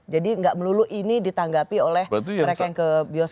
jadi enggak melulu ini ditanggapi oleh mereka yang ke bioskop